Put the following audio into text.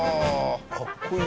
かっこいい。